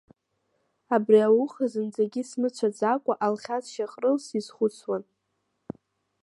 Абри ауха зынӡагьы смыцәаӡакәа Алхас Шьаҟрыл сизхәыцуан.